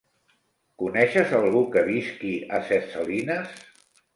Coneixes algú que visqui a Ses Salines?